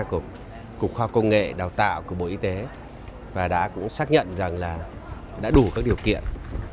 của cục khoa công nghệ đào tạo của bộ y tế và đã xác nhận rằng đã đủ các điều kiện